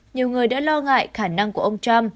nhiều người đã lo ngại khả năng của ông trump